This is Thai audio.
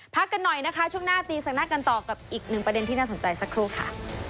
พักกันหน่อยนะคะช่วงหน้าตีแสงหน้ากันต่อกับอีกหนึ่งประเด็นที่น่าสนใจสักครู่ค่ะ